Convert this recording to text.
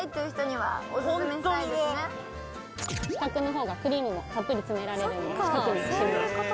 四角の方がクリームもたっぷり詰められるので四角にしました。